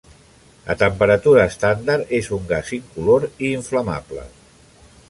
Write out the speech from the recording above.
A temperatura estàndard és un gas incolor i inflamable.